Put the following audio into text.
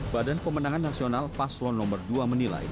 badan pemenangan nasional paslon nomor dua menilai